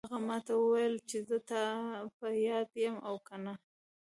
هغې ما ته وویل چې زه د تا په یاد یم او که نه